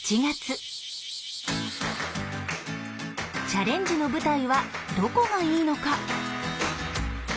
チャレンジの舞台はどこがいいのか？